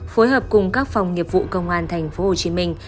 phối hợp cùng các phòng nghiệp vụ công an thành phố hồ chí minh